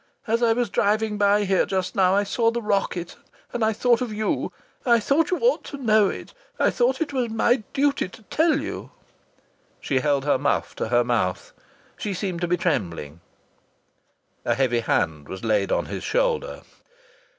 As I was driving by here just now I saw the rocket and I thought of you. I thought you ought to know it. I thought it was my duty to tell you." She held her muff to her mouth. She seemed to be trembling. A heavy hand was laid on his shoulder.